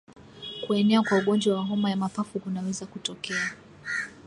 Kuenea kwa ugonjwa wa homa ya mapafu kunaweza kutokea